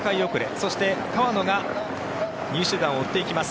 そして川野が２位集団を追っていきます。